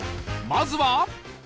まずは